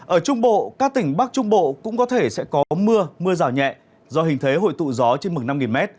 ở trung bộ các tỉnh bắc trung bộ cũng có thể sẽ có mưa mưa rào nhẹ do hình thế hội tụ gió trên mực năm m